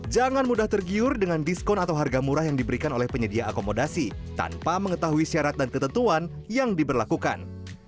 jangan mudah tergiur dengan diskon atau harga murah yang diberikan oleh penyedia akomodasi tanpa mengetahui syarat dan ketentuan yang diberlakukan